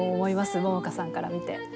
桃夏さんから見て。